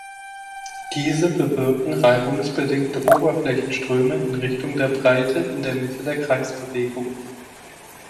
Diese bewirken reibungsbedingte Oberflächenströme in Richtung der Breite in der Mitte der Kreisbewegung.